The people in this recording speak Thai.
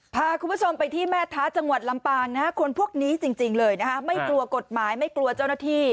พาคุณผู้ชมไปที่แม่ท้าจังหวัดลำปางนะฮะคนพวกนี้จริงเลยนะคะไม่กลัวกฎหมายไม่กลัวเจ้าหน้าที่